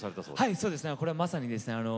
はいそうですね。これはまさにですね